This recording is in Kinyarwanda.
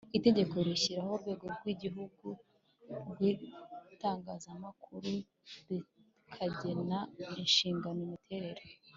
Itegeko rishyiraho Urwego rw Igihugu rw Itangazamakuru rikanagena inshingano imiterere